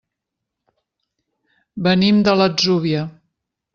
Venim de l'Atzúvia.